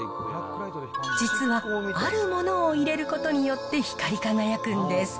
実はあるものを入れることによって光り輝くんです。